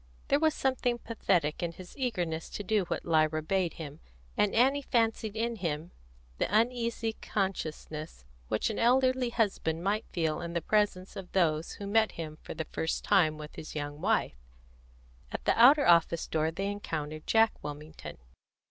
There was something pathetic in his eagerness to do what Lyra bade him, and Annie fancied in him the uneasy consciousness which an elderly husband might feel in the presence of those who met him for the first time with his young wife. At the outer office door they encountered Jack Wilmington.